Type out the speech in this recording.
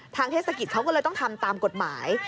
เทศกิจเขาก็เลยต้องทำตามกฎหมาย